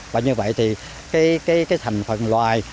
và như vậy thì thành phần loài